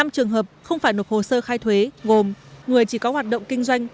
năm trường hợp không phải nộp hồ sơ khai thuế gồm người chỉ có hoạt động kinh doanh